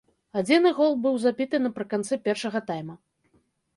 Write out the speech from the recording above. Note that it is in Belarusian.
Адзіны гол быў забіты напрыканцы першага тайма.